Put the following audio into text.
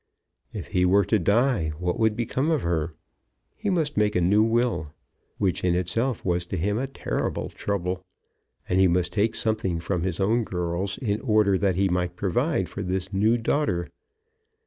If he were to die what would become of her? He must make a new will, which in itself was to him a terrible trouble; and he must take something from his own girls in order that he might provide for this new daughter.